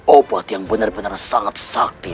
obat yang benar benar sangat sakti